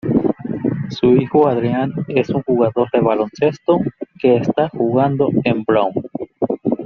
Su hijo Adrian es un jugador de baloncesto, que está jugando en Brown.